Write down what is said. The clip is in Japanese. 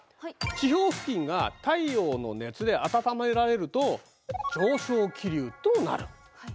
地表付近が太陽の熱で温められると上昇気流となる。